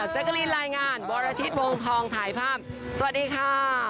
จักรีนรายงานบรรชิตวงธองถ่ายภาพสวัสดีค่ะ